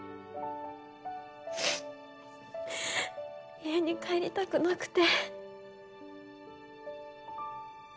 家に帰りたくなくて。